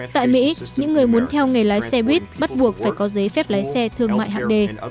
tại mỹ những người muốn theo nghề lái xe buýt bắt buộc phải có giấy phép lái xe thương mại hạng đề